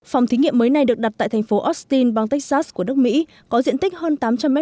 phòng thí nghiệm mới này được đặt tại thành phố austin bang texas của nước mỹ có diện tích hơn tám trăm linh m hai